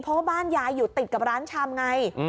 เพราะว่าบ้านยายอยู่ติดกับร้านชำไง